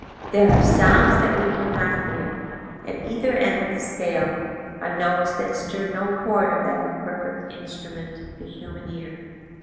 "There are sounds that we can not hear. At either end of the scale are notes that stir no chord of that imperfect instrument, the human ear.